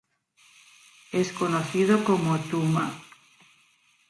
Es conocido como "Tuma".